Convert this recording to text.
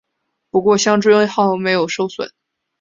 不过香椎号没有受损。